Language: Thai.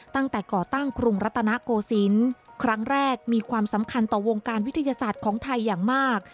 ก่อตั้งกรุงรัตนโกศิลป์ครั้งแรกมีความสำคัญต่อวงการวิทยาศาสตร์ของไทยอย่างมาก